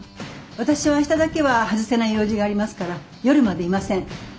私は明日だけは外せない用事がありますから夜までいません。